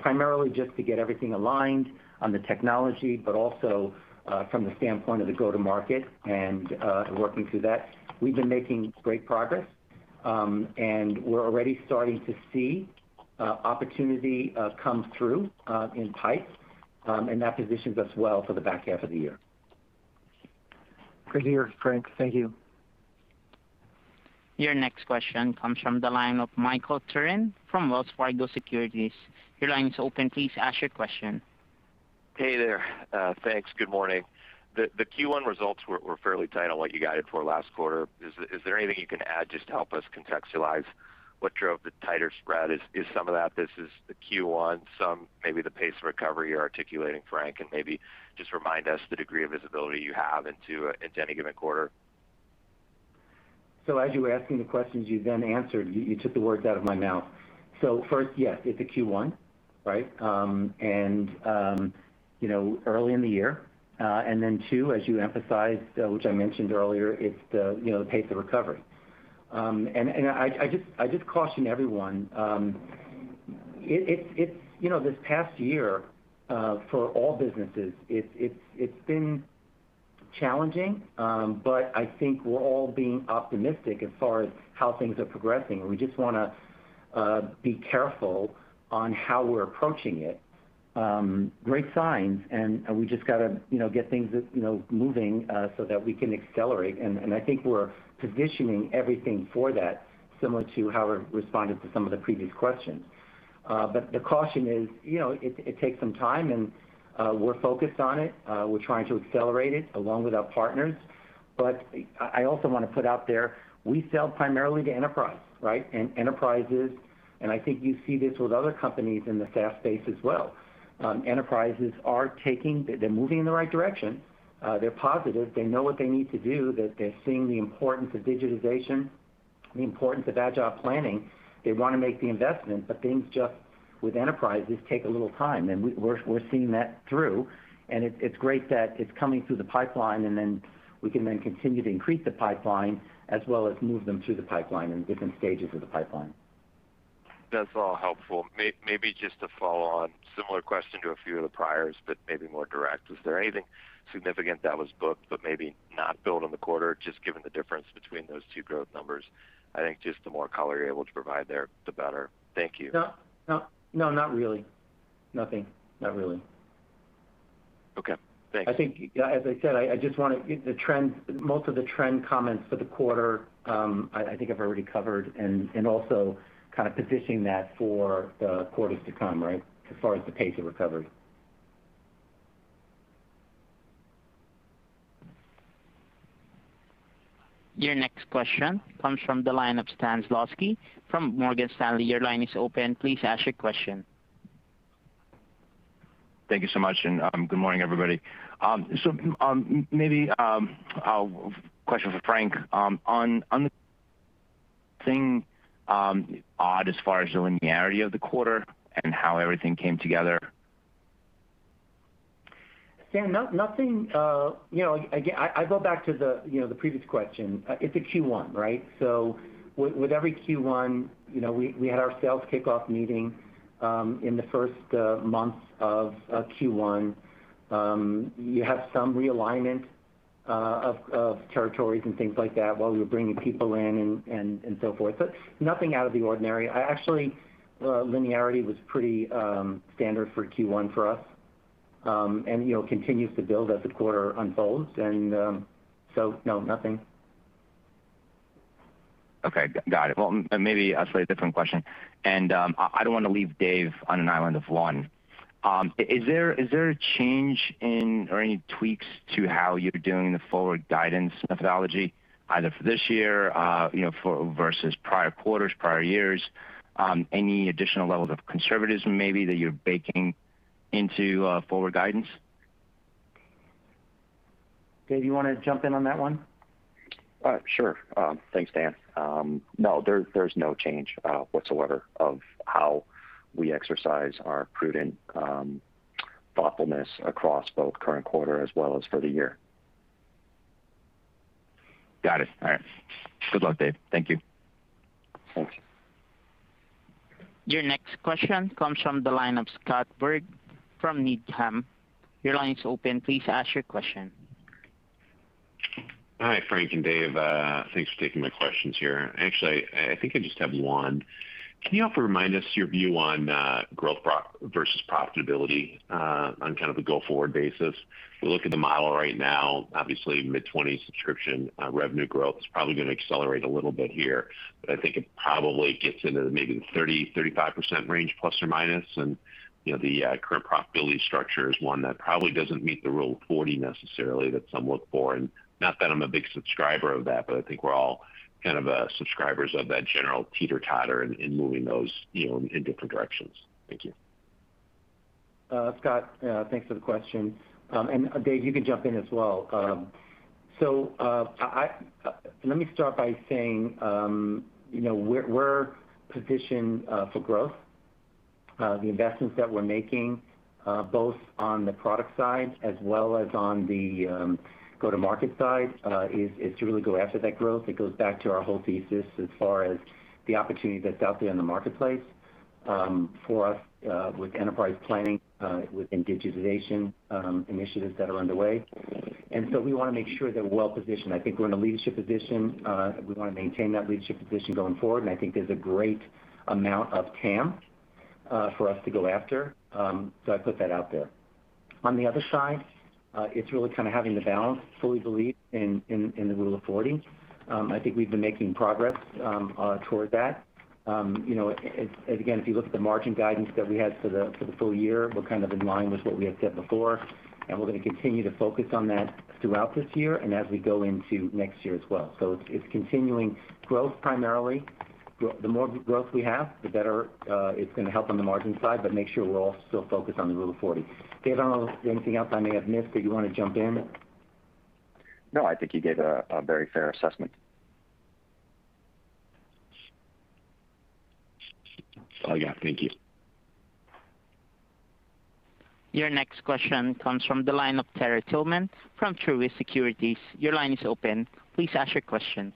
Primarily just to get everything aligned on the technology, but also from the standpoint of the go-to-market and working through that. We've been making great progress, and we're already starting to see opportunity come through in pipe and that positions us well for the back half of the year. Great to hear, Frank. Thank you. Your next question comes from the line of Michael Turrin from Wells Fargo Securities. Your line is open. Please ask your question. Hey there. Thanks. Good morning. The Q1 results were fairly tight on what you guided for last quarter. Is there anything you can add just to help us contextualize what drove the tighter spread? Is some of that business the Q1, some maybe the pace of recovery you're articulating, Frank? Maybe just remind us the degree of visibility you have into any given quarter? As you were asking the questions, you then answered. You took the words out of my mouth. First, yes, it's a Q1, right? Early in the year. Two, as you emphasized, which I mentioned earlier, it's the pace of recovery. I just caution everyone. This past year, for all businesses, it's been challenging, but I think we're all being optimistic as far as how things are progressing. We just want to be careful on how we're approaching it. Great signs. We just got to get things moving so that we can accelerate. I think we're positioning everything for that, similar to how I responded to some of the previous questions. The caution is, it takes some time and we're focused on it. We're trying to accelerate it along with our partners but I also want to put out there, we sell primarily to enterprise, right? Enterprises, I think you see this with other companies in the SaaS space as well. Enterprises are moving in the right direction. They're positive. They know what they need to do, that they're seeing the importance of digitization, the importance of agile planning. They want to make the investment, but things just, with enterprises, take a little time, and we're seeing that through. It's great that it's coming through the pipeline, and then we can continue to increase the pipeline as well as move them through the pipeline in different stages of the pipeline. That's all helpful. Maybe just to follow on, similar question to a few of the priors, but maybe more direct. Was there anything significant that was booked but maybe not billed in the quarter, just given the difference between those two growth numbers? I think just the more color you're able to provide there, the better. Thank you. No, not really. Nothing. Not really. Okay. Thanks. I think, as I said, most of the trend comments for the quarter, I think I've already covered, and also kind of positioning that for the quarters to come, right? As far as the pace of recovery. Your next question comes from the line of Stan Zlotsky from Morgan Stanley. Your line is open. Please ask your question. Thank you so much, good morning, everybody. Maybe a question for Frank on anything odd as far as the linearity of the quarter and how everything came together? Stan, nothing. I go back to the previous question. It's a Q1, right? With every Q1, we had our sales kickoff meeting in the first month of Q1. You have some realignment of territories and things like that while you're bringing people in and so forth, but nothing out of the ordinary. Actually, linearity was pretty standard for Q1 for us, and continues to build as the quarter unfolds, and so no, nothing. Okay. Got it. Well, maybe I'll ask a different question. I don't want to leave Dave on an island of one. Is there a change in or any tweaks to how you're doing the forward guidance methodology either for this year versus prior quarters, prior years? Any additional levels of conservatism maybe that you're baking into forward guidance? Dave, you want to jump in on that one? Sure. Thanks, Stan. No. There's no change whatsoever of how we exercise our prudent thoughtfulness across both current quarter as well as for the year. Got it. All right. Good luck, Dave. Thank you. Thanks. Your next question comes from the line of Scott Berg from Needham. Your line is open. Please ask your question. Hi, Frank and Dave. Thanks for taking my questions here. Actually, I think I just have one. Can you offer a reminder to your view on growth versus profitability on a go-forward basis? We look at the model right now, obviously mid-20s subscription revenue growth is probably going to accelerate a little bit here, but I think it probably gets into maybe the 30%-35% range ±. The current profitability structure is one that probably doesn't meet the Rule of 40 necessarily that some look for. Not that I'm a big subscriber of that, but I think we're all subscribers of that general teeter-totter in moving those in different directions. Thank you. Scott, thanks for the question. Dave, you can jump in as well. Let me start by saying we're positioned for growth. The investments that we're making, both on the product side as well as on the go-to-market side is to really go after that growth. It goes back to our whole thesis as far as the opportunity that's out there in the marketplace for us with enterprise planning, with digitization initiatives that are underway. We want to make sure that we're well-positioned. I think we're in a leadership position. We want to maintain that leadership position going forward, and I think there's a great amount of TAM for us to go after. I put that out there. On the other side, it's really having the balance, so we believe in the Rule of 40. I think we've been making progress toward that. If you look at the margin guidance that we had for the full year, we're in line with what we have said before, and we're going to continue to focus on that throughout this year and as we go into next year as well. It's continuing growth primarily. The more growth we have, the better it's going to help on the margin side, but make sure we're all still focused on the Rule of 40. Dave, I don't know if there's anything else I may have missed that you want to jump in. No, I think you did a very fair assessment. Oh, yeah. Thank you. Your next question comes from the line of Terry Tillman from Truist Securities. Your line is open. Please ask your question.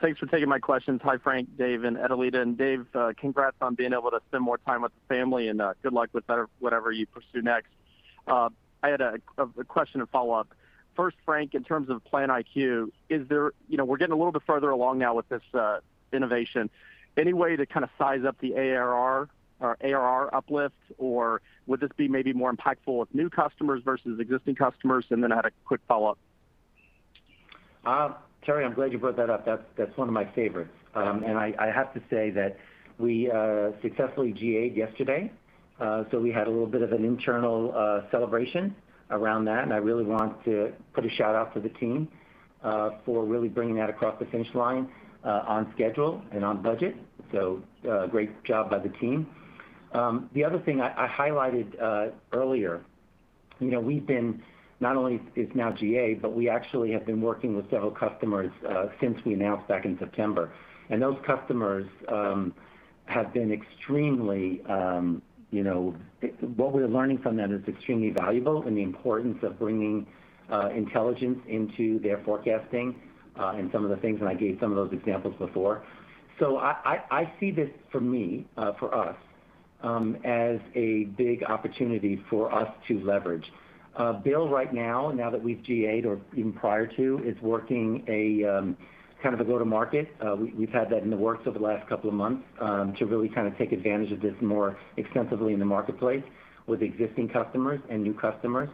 Thanks for taking my questions. Hi, Frank, Dave, and Adelita. Dave, congrats on being able to spend more time with the family, and good luck with whatever you pursue next. I had a question to follow up. First, Frank, in terms of PlanIQ, we're getting a little bit further along now with this innovation. Any way to size up the ARR uplift, or would this be maybe more impactful with new customers versus existing customers? I had a quick follow-up. Terry, I'm glad you brought that up. That's one of my favorites. I have to say that we successfully GA'd yesterday, so we had a little bit of an internal celebration around that. I really want to put a shout-out to the team for really bringing that across the finish line on schedule and on budget. Great job by the team. The other thing I highlighted earlier, not only it's now GA, but we actually have been working with several customers since we announced back in September. Those customers, what we're learning from them is extremely valuable in the importance of bringing intelligence into their forecasting and some of the things, and I gave some of those examples before. I see this for us as a big opportunity for us to leverage. Bill right now that we've GA'd or even prior to, is working a go-to-market. We've had that in the works over the last couple of months to really take advantage of this more extensively in the marketplace with existing customers and new customers.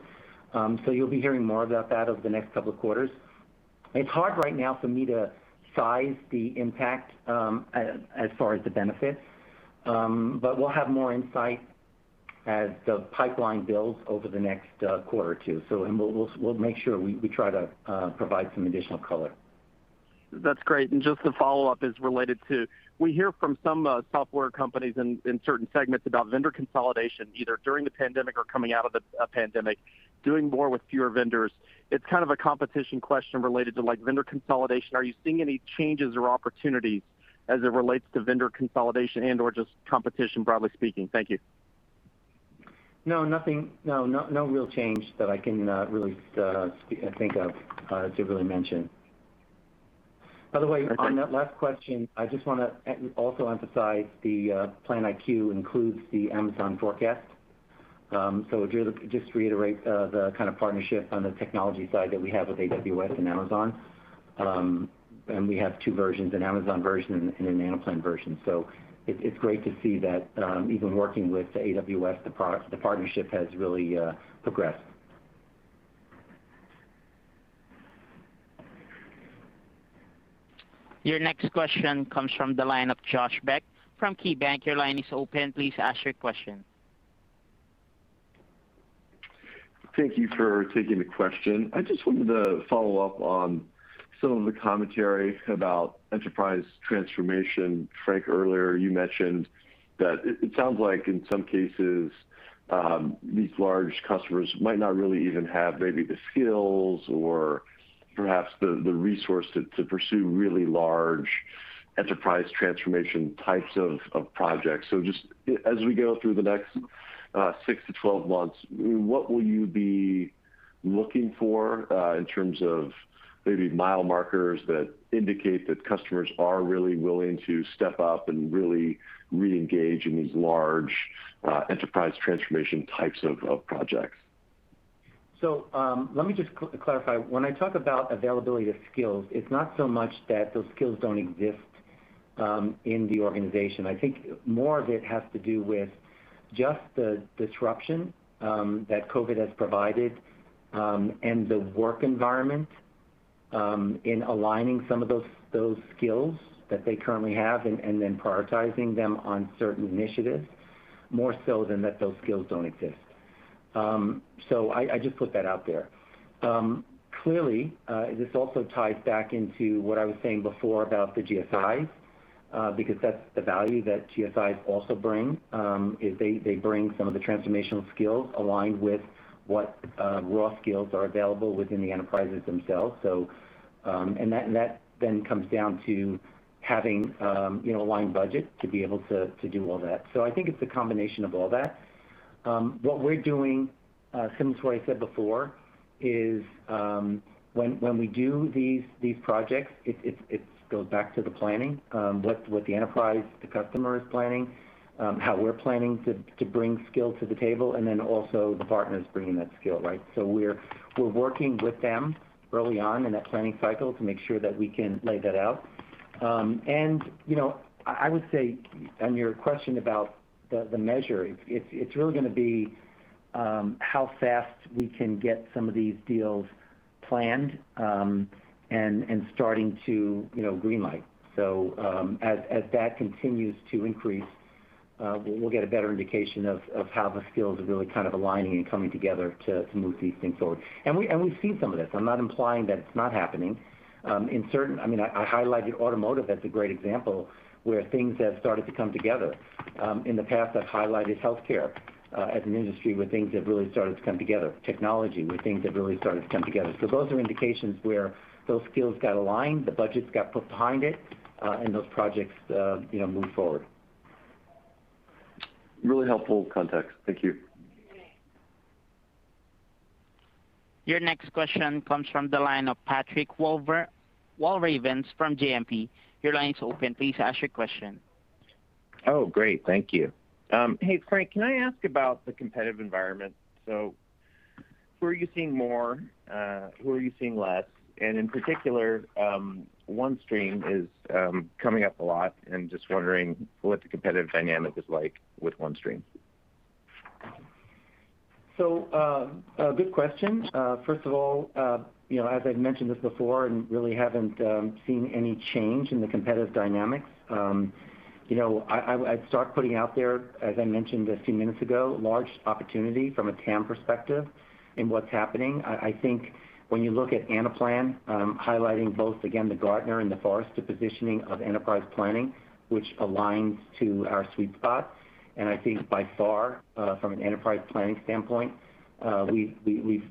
You'll be hearing more about that over the next couple of quarters. It's hard right now for me to size the impact as far as the benefits, but we'll have more insight as the pipeline builds over the next quarter or two, and we'll make sure we try to provide some additional color. Just the follow-up is related to, we hear from some software companies in certain segments about vendor consolidation, either during the pandemic or coming out of the pandemic, doing more with fewer vendors. It's kind of a competition question related to vendor consolidation. Are you seeing any changes or opportunities as it relates to vendor consolidation and/or just competition broadly speaking? Thank you. No, nothing. No real change that I can really think of to really mention. By the way, on that last question, I just want to also emphasize the PlanIQ includes the Amazon Forecast. Just to reiterate the kind of partnership on the technology side that we have with AWS and Amazon, and we have two versions, an Amazon version and an Anaplan version. It's great to see that even working with AWS, the partnership has really progressed. Your next question comes from the line of Josh Beck from KeyBanc. Your line is open. Please ask your question. Thank you for taking the question. I just wanted to follow up on some of the commentary about enterprise transformation. Frank, earlier you mentioned that it sounds like in some cases, these large customers might not really even have maybe the skills or perhaps the resources to pursue really large enterprise transformation types of projects. Just as we go through the next 6-12 months, what will you be looking for in terms of maybe mile markers that indicate that customers are really willing to step up and really reengage in these large enterprise transformation types of projects? Let me just quickly clarify. When I talk about availability of skills, it's not so much that those skills don't exist in the organization. I think more of it has to do with just the disruption that COVID has provided and the work environment in aligning some of those skills that they currently have and then prioritizing them on certain initiatives more so than that those skills don't exist. I just put that out there. Clearly, this also ties back into what I was saying before about the GSIs, because that's the value that GSIs also bring, is they bring some of the transformational skills aligned with what raw skills are available within the enterprises themselves. That then comes down to having aligned budget to be able to do all that. I think it's a combination of all that. What we're doing, similar to what I said before, is when we do these projects, it goes back to the planning, what the enterprise, the customer is planning, how we're planning to bring skill to the table, and then also the partners bringing that skill, right? We're working with them early on in that planning cycle to make sure that we can lay that out. I would say on your question about the measure, it's really going to be how fast we can get some of these deals planned, and starting to green light. As that continues to increase, we'll get a better indication of how the skills are really aligning and coming together to move these things forward. We see some of this. I'm not implying that it's not happening. I mean, I highlighted automotive as a great example where things have started to come together. In the past, I've highlighted healthcare as an industry where things have really started to come together. Technology, where things have really started to come together. Those are indications where those skills got aligned, the budgets got put behind it, and those projects moved forward. Really helpful context. Thank you. Your next question comes from the line of Patrick Walravens from JMP. Your line is open. Please ask your question. Oh, great. Thank you. Hey, Frank, can I ask about the competitive environment? Who are you seeing more? Who are you seeing less? In particular, OneStream is coming up a lot, and I'm just wondering what the competitive dynamic is like with OneStream. Good question. First of all, as I've mentioned this before, and really haven't seen any change in the competitive dynamics. I'd start putting out there, as I mentioned a few minutes ago, large opportunity from a TAM perspective in what's happening. I think when you look at Anaplan, highlighting both, again, the Gartner and the Forrester positioning of enterprise planning, which aligns to our sweet spot, and I think by far, from an enterprise planning standpoint, we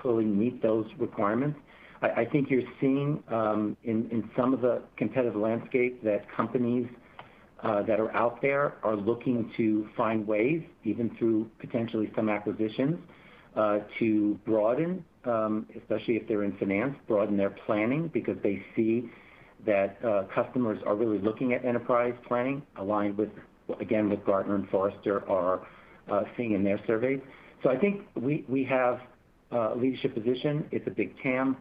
clearly meet those requirements. I think you're seeing in some of the competitive landscape that companies that are out there are looking to find ways, even through potentially some acquisitions, to broaden, especially if they're in finance, broaden their planning because they see that customers are really looking at enterprise planning, aligned with, again, what Gartner and Forrester are seeing in their surveys. I think we have a leadership position. It's a big TAM.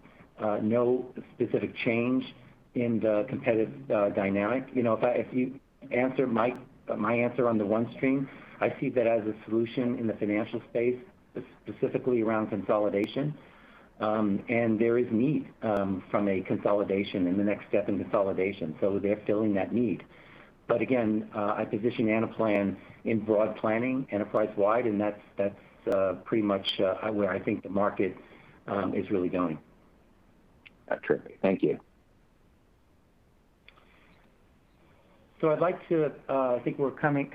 No specific change in the competitive dynamic. My answer on the OneStream, I see that as a solution in the financial space, specifically around consolidation. There is need from a consolidation and the next step in consolidation. They're filling that need. Again, I position Anaplan in broad planning, enterprise-wide, and that's pretty much where I think the market is really going. Got you. Thank you. I think we're coming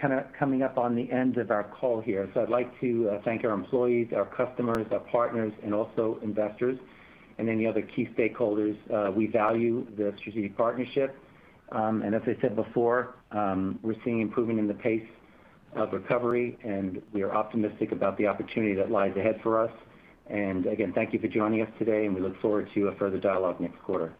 up on the end of our call here. I'd like to thank our employees, our customers, our partners, and also investors and any other key stakeholders. We value the strategic partnership. As I said before, we're seeing improvement in the pace of recovery, and we are optimistic about the opportunity that lies ahead for us. Again, thank you for joining us today, and we look forward to a further dialogue next quarter.